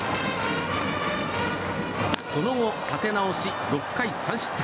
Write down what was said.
その後、立て直し６回３失点。